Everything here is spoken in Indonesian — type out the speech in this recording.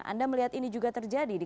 anda melihat ini juga terjadi di